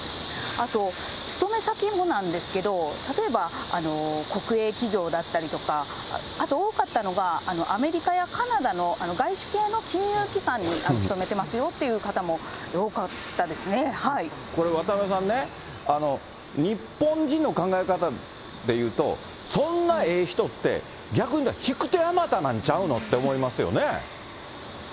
あと、勤め先もなんですけど、例えば国営企業だったりとか、あと多かったのが、アメリカやカナダの外資系の金融機関に勤めてますよっていう方もこれ渡辺さんね、日本人の考え方でいうと、そんなええ人って、逆に引く手あまたなんちゃうのって思いますよね。